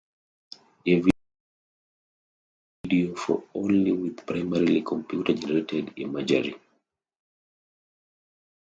David Fincher directed a video for "Only" with primarily computer-generated imagery.